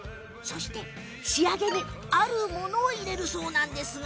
仕上げにあるものを入れるそうなんです。